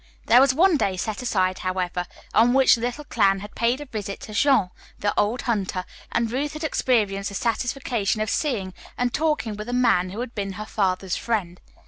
There was one day set aside, however, on which the little clan had paid a visit to Jean, the old hunter, and Ruth had experienced the satisfaction of seeing and talking with a man who had been her father's friend.